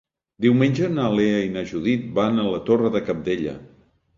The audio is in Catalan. Diumenge na Lea i na Judit van a la Torre de Cabdella.